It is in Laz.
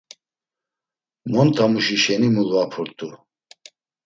Montamuşi şeni mulvapurt̆u.